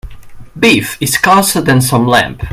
Beef is scarcer than some lamb.